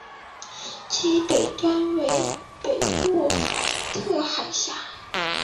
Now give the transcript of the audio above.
其北端为贝洛特海峡。